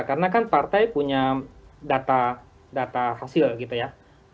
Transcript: karena kan partai punya data hasil gitu ya